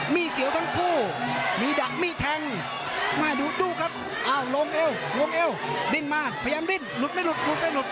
มีแห้งสายมาสาวโอ้โห